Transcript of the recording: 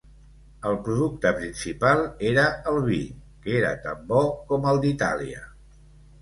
El producte principal era el vi, que era tan bo com el d'Itàlia.